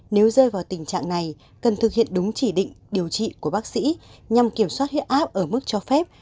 nếu rơi vào tình trạng này cần thực hiện đúng chỉ định điều trị của bác sĩ nhằm kiểm soát huyết áp ở mức cho phép